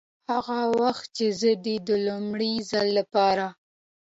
هغه وخت چې زه دې د لومړي ځل دپاره